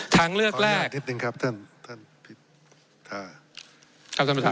ทางเลือกแรกขออนุญาตนิดนึงครับท่านพิธา